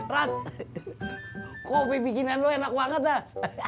rat kopi bikinan lo enak banget ah